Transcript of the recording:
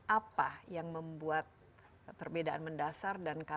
apa yang membuat perbedaan mendasar dan kencang